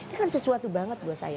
ini kan sesuatu banget buat saya